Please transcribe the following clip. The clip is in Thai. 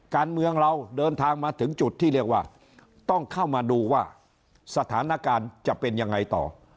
การเมืองเราเดินทางมาถึงจุดที่เรียกว่าต้องเข้ามาดูว่าสถานการณ์จะเป็นยังไงต่อ